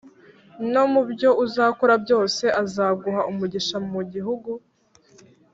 no mu byo uzakora byose; azaguha umugisha mu gihugu